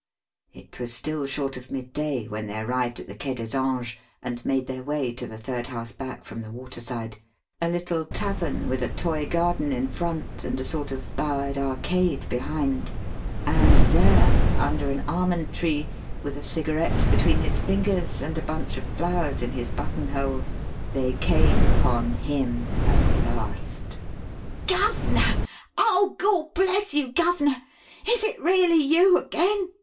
It was still short of midday when they arrived at the Quai des Anges and made their way to the third house back from the waterside a little tavern with a toy garden in front and a sort of bowered arcade behind and there under an almond tree, with a cigarette between his fingers and a bunch of flowers in his buttonhole, they came upon him at last. "Guv'ner! Oh, Gawd bless you, guv'ner, is it really you again?"